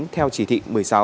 theo chỉ thị một mươi sáu